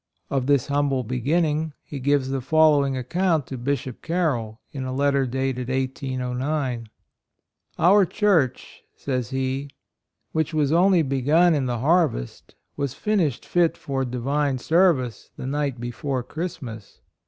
Of this humble beginning, he gives the following account to Bishop Carroll, in a letter dated 1809. "Our Church," says he, "which was only begun in the harvest, was finished fit for divine service the night before Christmas.